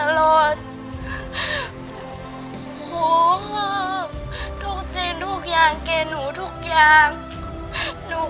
ครูคือพ่อของหนู